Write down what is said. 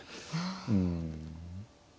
うん。